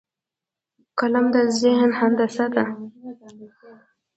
قلم د ذهن هندسه ده